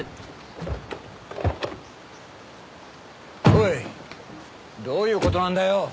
おいどういう事なんだよ！